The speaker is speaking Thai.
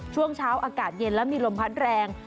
ช่วงเช้าอากาศเย็นและมีลมพัดแรง